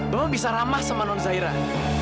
bapak bisa ramah sama nonzairah